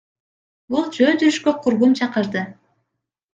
Бул жөө жүрүшкө курбум чакырды.